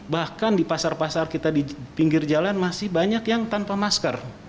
bahkan di pasar pasar kita di pinggir jalan masih banyak yang tanpa masker